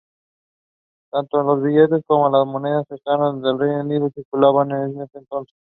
Tanto los billetes como las monedas estándar del Reino Unido circulaban en ese entonces.